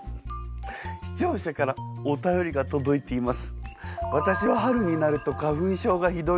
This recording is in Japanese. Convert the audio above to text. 視聴者からお便りが届いています。